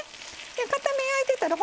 片面焼いてたらほら